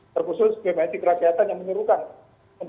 terkhusus bmsi kerakyatan yang menurutkan